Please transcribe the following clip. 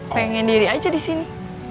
pengen diri aja di sini